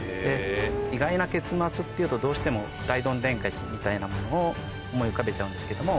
意外な結末っていうとどうしても大どんでん返しみたいなものを思い浮かべちゃうんですけども。